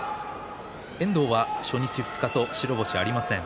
遠藤は初日、二日と白星がありません。